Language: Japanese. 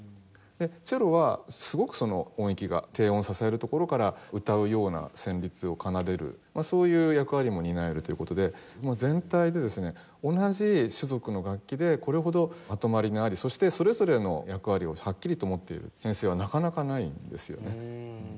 でチェロはすごくその音域が低音を支えるところから歌うような旋律を奏でるそういう役割も担えるという事で全体でですね同じ種属の楽器でこれほどまとまりがありそしてそれぞれの役割をはっきりと持っている編成はなかなかないんですよね。